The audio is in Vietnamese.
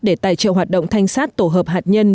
để tài trợ hoạt động thanh sát tổ hợp hạt nhân